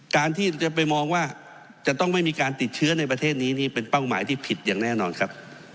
การที่จะไปมองว่าจะต้องไม่มีการติดเชื้อในประเทศนี้นี่เป็นเป้าหมายที่ผิดอย่างแน่นอนครับ